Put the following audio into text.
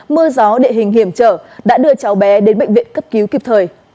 mưa gió địa hình hiểm trở đã đưa cháu bé đến bệnh viện cấp cứu kịp thời